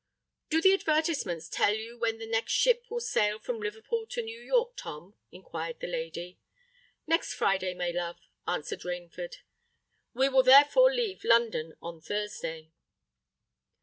"Do the advertisements tell you when the next ship will sail from Liverpool for New York, Tom?" inquired the lady. "Next Friday, my love," answered Rainford. "We will therefore leave London on Thursday."